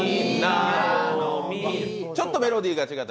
ちょっとメロディーが違った。